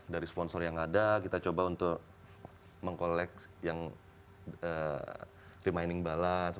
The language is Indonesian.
dari sponsor yang ada kita coba untuk mengkolek yang remaining balance